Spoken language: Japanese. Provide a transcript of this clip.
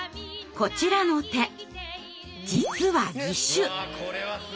こちらの手実は義手！